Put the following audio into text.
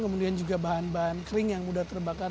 kemudian juga bahan bahan kering yang mudah terbakar